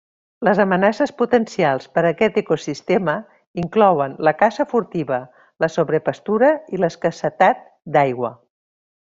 Les amenaces potencials per aquest ecosistema inclouen la caça furtiva, la sobrepastura i l'escassedat d'aigua.